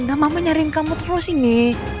nah mama nyaring kamu terus ini